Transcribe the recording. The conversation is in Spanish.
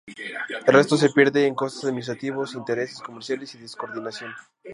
El resto se pierde en costes administrativos, intereses comerciales y descoordinación.